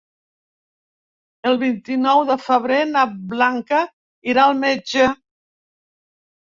El vint-i-nou de febrer na Blanca irà al metge.